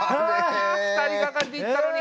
２人がかりでいったのに。